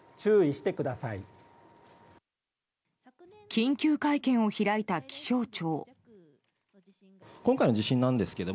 緊急会見を開いた気象庁。